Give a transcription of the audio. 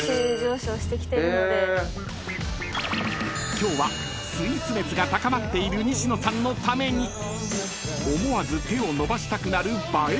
［今日はスイーツ熱が高まっている西野さんのために思わず手を伸ばしたくなる映え